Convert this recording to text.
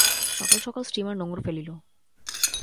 সকাল-সকাল steamer নোঙর ফেলিল।